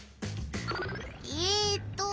えっと